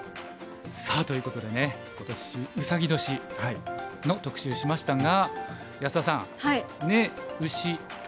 さあということでね今年ウサギ年の特集しましたが安田さん子丑寅卯。